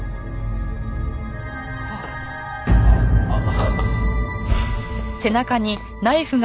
あっああっ！